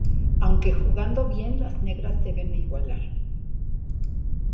Aunque jugando bien las negras deben igualar.